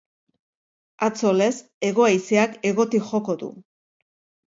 Atzo lez, hego haizeak hegotik joko du.